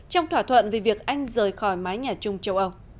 trong thỏa thuận về việc anh rời cuba